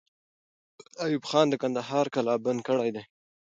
ایوب خان کندهار قلابند کړی دی.